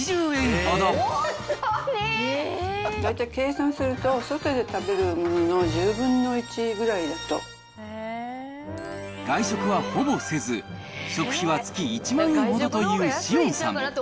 大体、計算すると、外で食べるものの１０分の１ぐらいだと。外食はほぼせず、食費は月１万円ほどという紫苑さん。